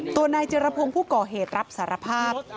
ตัวนายเจรพงศ์ผู้ก่อเหตุรับสารภาพ